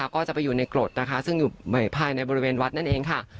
ก็จะไปอยู่ในกรดซึ่งอยู่ในบริเวณวัดนั่นเอง